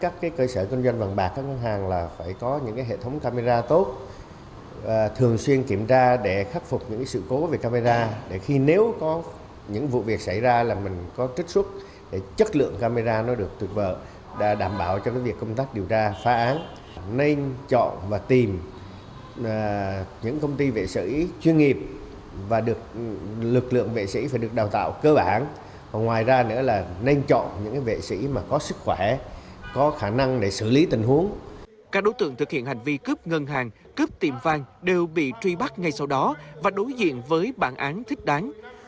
các đối tượng thực hiện hành vi cướp ngân hàng cướp tiềm vàng đều bị truy bắt ngay sau đó và đối diện với bản án thích đáng